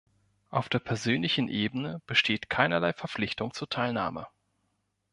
Auf der persönlichen Ebene besteht keinerlei Verpflichtung zur Teilnahme.